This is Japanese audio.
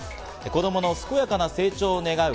子供の健やかな成長を願う